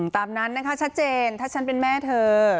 ตามนั้นนะคะชัดเจนถ้าฉันเป็นแม่เธอ